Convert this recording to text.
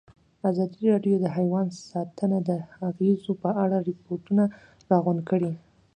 ازادي راډیو د حیوان ساتنه د اغېزو په اړه ریپوټونه راغونډ کړي.